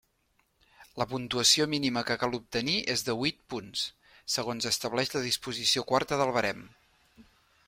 La puntuació mínima que cal obtenir és de huit punts, segons estableix la disposició quarta del barem.